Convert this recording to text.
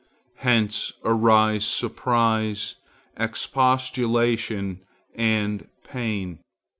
Hence arise surprise, expostulation and pain.